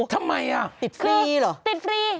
ทำไมอ่ะติดฟรีเหรอติดฟรี